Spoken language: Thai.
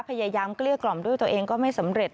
พยายามเครื่อกล่อมด้วยตัวเองก็ไม่สำเร็จ